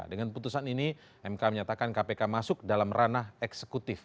dengan putusan ini mk menyatakan kpk masuk dalam ranah eksekutif